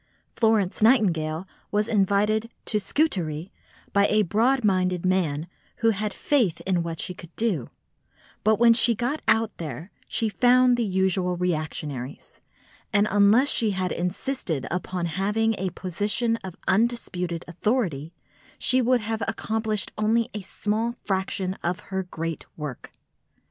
Florence Nightingale was invited to go to Scutari by a broad minded man who had faith in what she could do; but when she got out there, she found the usual reactionaries, and unless she had insisted upon having a position of undisputed authority, she would have accomplished only a small fraction of her great work.